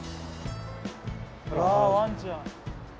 わあワンちゃん。